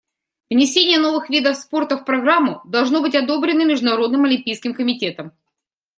Внесение новых видов спорта в программу должно быть одобрено Международным олимпийским комитетом.